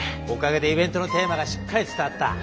おかげでイベントのテーマがしっかり伝わった。